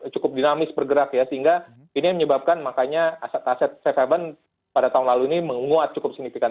cukup dinamis bergerak ya sehingga ini menyebabkan makanya aset aset safe haven pada tahun lalu ini menguat cukup signifikan